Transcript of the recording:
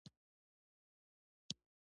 آیا د یو روښانه سبا لپاره نه ده؟